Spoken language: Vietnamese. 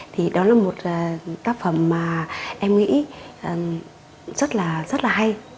thì đó là một tác phẩm mà em nghĩ rất là hay